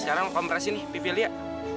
sekarang kompresin nih pipi liat